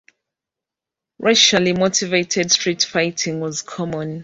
Racially motivated street fighting was common.